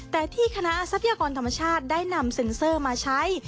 แต่ที่คณะทรัพยากรธรรมชาติได้นำเซ็นเซอร์มาใช้